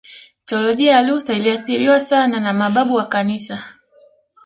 Teolojia ya Luther iliathiriwa sana na mababu wa kanisa